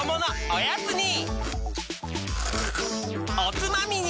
おつまみに！